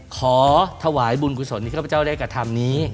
ขอถวายบุญกุศลที่ข้าพเจ้าได้กระทำนี้